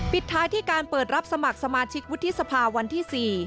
ปิดท้ายที่การเปิดรับสมัครสมาชิกวุฒิสภาวันที่๔